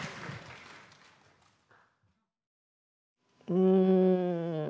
うん。